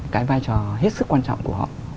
cái vai trò hết sức quan trọng của họ